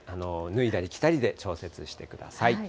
脱いだり着たりで調節してください。